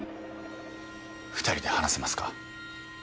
２人で話せますか？